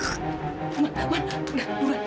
tuhan tuhan udah udah